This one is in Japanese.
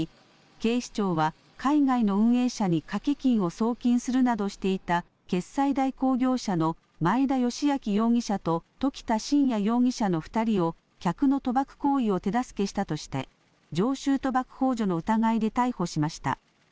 警視庁は海外の運営者に賭け金を送金するなどしていた決済代行業者の前田由顕容疑者と時田慎也容疑者の２人を客の賭博行為を手助けしたとして常習賭博ほう助の疑いで逮捕しました。